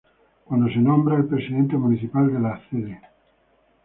Cuando se nombra al Presidente Municipal de la Cd.